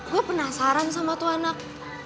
gue penasaran sama tu anak